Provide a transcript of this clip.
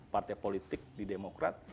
partai politik di demokrat